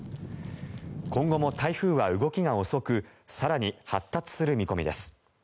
今後も台風は動きが遅く更に発達する見込みです。